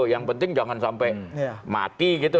yang penting jangan sampai mati gitu